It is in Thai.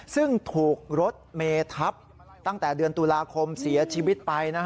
ซึ่งถูกรถเมทับตั้งแต่เดือนตุลาคมเสียชีวิตไป